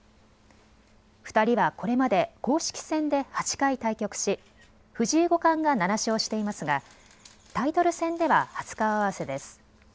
２人はこれまで公式戦で８回対局し藤井五冠が７勝していますが、タイトル戦では初顔合わせです。